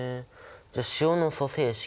じゃあ塩の組成式